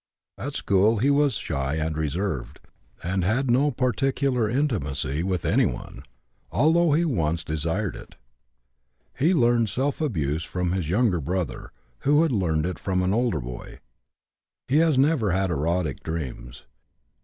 At school he was shy and reserved, and had no particular intimacy with anyone, although he once desired it. He learned self abuse from his younger brother, who had learned it from an older boy. He has never had erotic dreams.